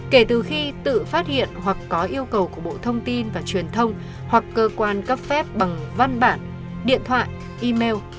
kể từ khi tự phát hiện hoặc có yêu cầu của bộ thông tin và truyền thông hoặc cơ quan cấp phép bằng văn bản điện thoại email